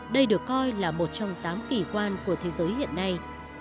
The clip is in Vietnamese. đây được coi là một trong tám kỳ quan của thế giới hiện nay